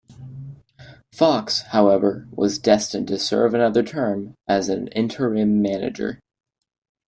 Fox, however, was destined to serve another term as an interim manager.